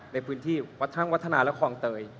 ในพื้นที่วัดช่างวัฒนาและคลองเตย